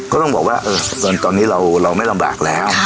ก็ต้องบอกว่าเงินตอนนี้เราไม่ลำบากแล้ว